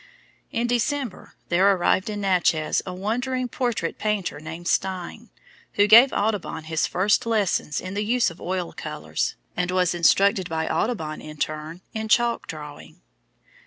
In December, there arrived in Natchez a wandering portrait painter named Stein, who gave Audubon his first lessons in the use of oil colours, and was instructed by Audubon in turn in chalk drawing.